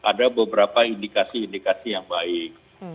ada beberapa indikasi indikasi yang baik